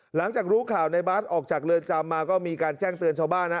หลังจากรู้ข่าวในบาสออกจากเรือนจำมาก็มีการแจ้งเตือนชาวบ้านนะ